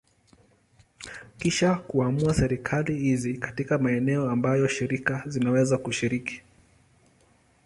Kisha kuamua serikali hizi katika maeneo ambayo shirika zinaweza kushiriki.